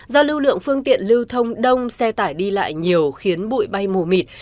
do lưu lượng phương tiện lưu thông đông xe tải đi lại nhiều khiến bụi bay mù mịt